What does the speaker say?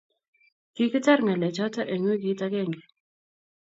Kigitar ngalechoto eng weekit agenge